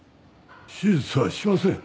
手術はしません。